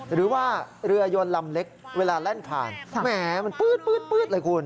หรือว่าเรือยนลำเล็กเวลาแล่นผ่านแหมมันปื๊ดเลยคุณ